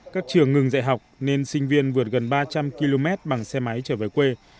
các trường ngừng dạy học nên sinh viên vượt gần ba trăm linh km bằng xe máy trở về quê